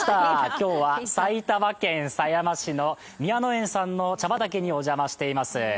今日は埼玉県狭山市の茶畑、宮野園さんの茶畑に来ています。